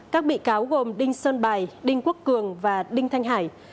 các bị cáo gồm đinh sơn bài đinh quốc cường và đinh thanh hải